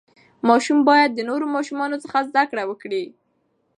ماشوم باید د نورو ماشومانو څخه زده کړه وکړي.